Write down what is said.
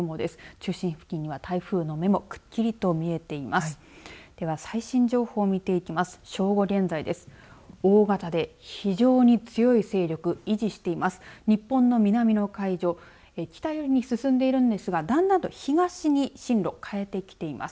中心付近には台風の目もくっきりと見えています。